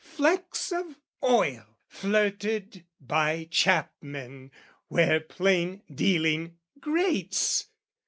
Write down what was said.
Flecks of oil Flirted by chapmen where plain dealing grates.